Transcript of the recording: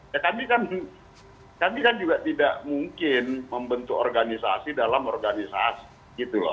ya kami kan kami kan juga tidak mungkin membentuk organisasi dalam organisasi gitu loh